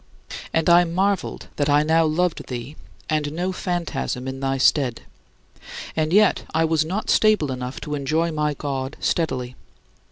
And I marveled that I now loved thee, and no fantasm in thy stead, and yet I was not stable enough to enjoy my God steadily.